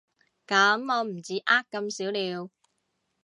噉我唔止呃咁少了